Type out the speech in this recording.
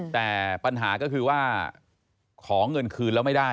แต่ปัญหาก็คือว่าขอเงินคืนแล้วไม่ได้